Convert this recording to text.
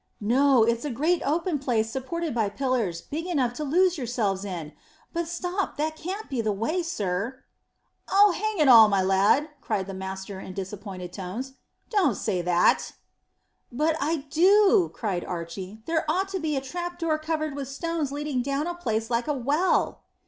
"No; it's a great open place supported by pillars, big enough to lose yourselves in. But stop; that can't be the way, sir." "Oh, hang it all, my lad!" cried the master in disappointed tones. "Don't say that." "But I do," cried Archy. "There ought to be a trap door covered with stones leading down a place like a well."